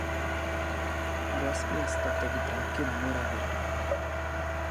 Vlastnil statek Branky na Moravě.